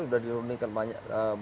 sudah dilunikan banyak